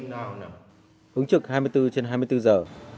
hướng trực hai mươi bốn trên hai mươi bốn giờ